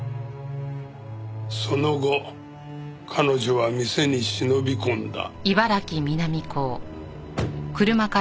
その後彼女は店に忍び込んだ。